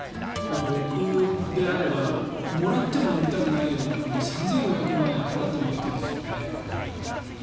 僕であればもらっても乗りたくないようなものに３５００万円払って乗ってるんですよね。